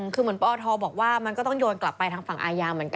คือเหมือนปอทบอกว่ามันก็ต้องโยนกลับไปทางฝั่งอาญาเหมือนกัน